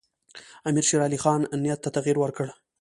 امیرشیرعلي خان نیت ته تغییر ورکړ.